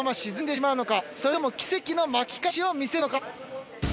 それとも奇跡の巻き返しを見せるのか？